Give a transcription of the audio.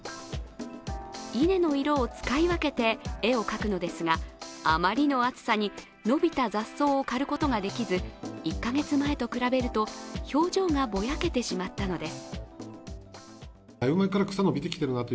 稲の色を使い分けて絵を描くのですが、あまりの暑さに伸びた雑草を刈ることができず、１か月前と比べると表情がぼやけてしまったのです。